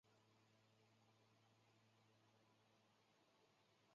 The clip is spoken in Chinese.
科隆比埃。